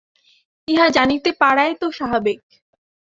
ইহা জানিতে পারাই তো স্বাভাবিক।